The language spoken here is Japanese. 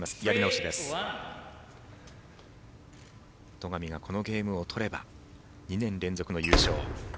戸上がこのゲームを取れば２年連続の優勝。